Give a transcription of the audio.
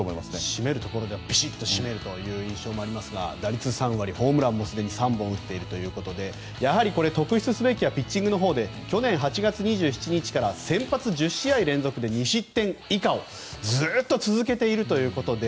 締めるところではびしっと締める印象がありますが打率３割ホームランもすでに３本打っていてやはり特筆すべきはピッチングで去年８月２７日から先発１０試合連続で２失点以下をずっと続けているということで。